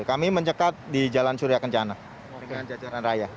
kami mencekat di jalan surya kencana warga jajaran raya